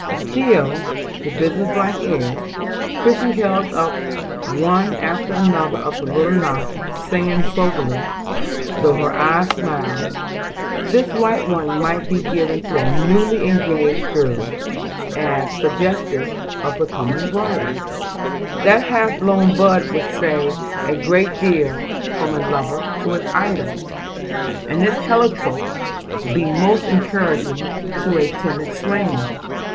Still with the business like air, Christie held up one after another of the little knots, saying soberly, though her eyes smiled: "This white one might be given to a newly engaged girl, as suggestive of the coming bridal. That half blown bud would say a great deal from a lover to his idol; and this heliotrope be most encouraging to a timid swain.